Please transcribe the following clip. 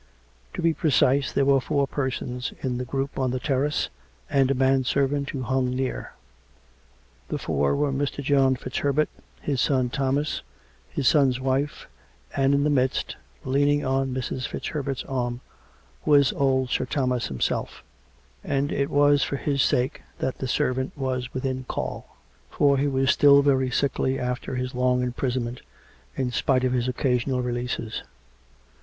To be precise, there were four persons in the group on the terrace, and a man servant who hung near. The four were Mr. John FitzHerbert, his son Thomas, his son's wife, and, in the midst, leaning on Mrs. FitzHerbert's arm, was old Sir Thomas himself, and it was for his sake that the servant was within call, for he was still very sickly after his long imprisonment, in spite of his occasional re leases.